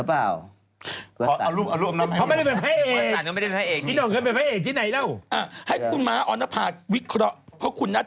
เอารุ่นอาจารย์ก็ได้เภอิกทุษ